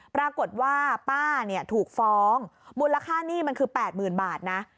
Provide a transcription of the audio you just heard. ปรากฏว่าป้าถูกฟ้องมูลค่าหนี้มันคือ๘๐๐๐บาทนะ